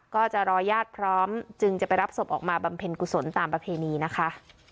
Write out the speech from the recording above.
ก็จะรอญาติพร้อมจึงจะไปรับศพออกมาบำเพ็ญกุศลตามประเพณีนะคะ